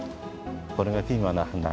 これがピーマンのはな。